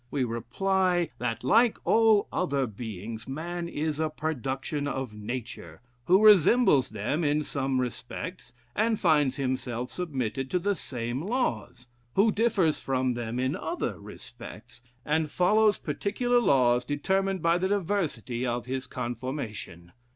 We reply, that like all other beings, man is a production of nature, who resembles them in some respects, and finds himself submitted to the same laws; who differs from them in other respects, and follows particular laws determined by the diversity of his conformation.